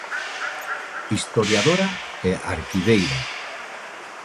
Historiadora e arquiveira.